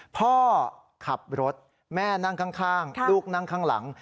พ่อขับรถแม่นั่งข้างลูกนั่งข้างหลัง